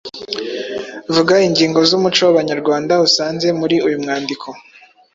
Vuga ingingo z’umuco w’Abanyarwanda usanze muri uyu mwandiko.